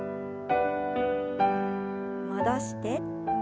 戻して。